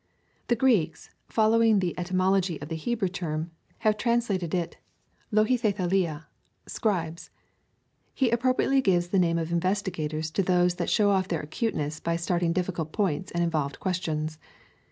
The Greeks, following the etymo logy of the Hebrew term, have translated it ypafMfjLaT€t<;^ scribes.^ He appropriately gives the name of investigators^ to those that show off their acuteness by starting difficult points and involved questions.